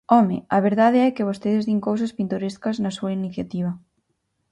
¡Home!, a verdade é que vostedes din cousas pintorescas na súa iniciativa.